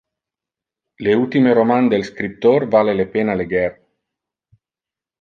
Le ultime roman del scriptor vale le pena leger.